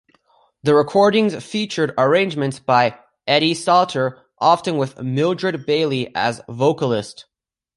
The recordings featured arrangements by Eddie Sauter, often with Mildred Bailey as vocalist.